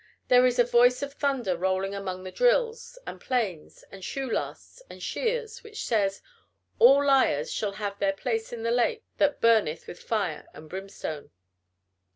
There is a voice of thunder rolling among the drills, and planes, and shoe lasts, and shears, which says: "All liars shall have their place in the lake that burneth with fire and brimstone."